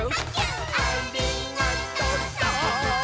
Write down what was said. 「ありがとさーん！」